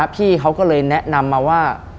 พี่เขาก็เลยแนะนำมาว่า